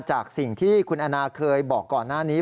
จากสิ่งที่คุณแอนนาเคยบอกก่อนหน้านี้